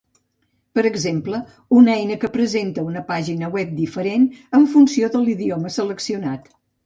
Per exemple, una eina que presenta una pàgina web diferent en funció de l'idioma seleccionat.